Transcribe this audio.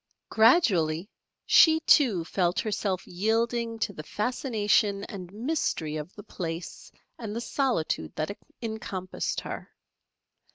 Gradually she, too, felt herself yielding to the fascination and mystery of the place and the solitude that encompassed her.